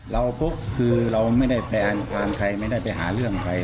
พบคือเราไม่ได้ไปอ่านความใครไม่ได้ไปหาเรื่องใคร